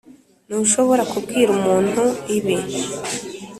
ntushobora kubwira umuntu, ibi?